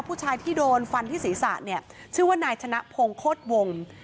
ผู้ชายที่โดนฟันที่ศีรษะเนี่ยชื่อว่านายชนะพงศ์โคตรวง